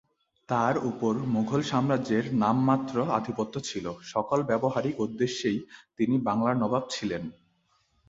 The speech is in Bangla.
তার উপর মুঘল সাম্রাজ্যের নামমাত্র আধিপত্য ছিল, সকল ব্যবহারিক উদ্দেশ্যেই তিনি বাংলার নবাব ছিলেন।